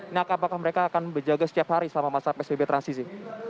nah apakah mereka akan berjaga setiap hari selama masa psbb transisi